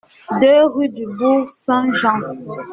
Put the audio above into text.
deux rue du Bourg Saint-Jean